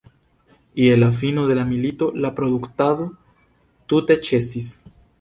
Je la fino de la milito la produktado tute ĉesis.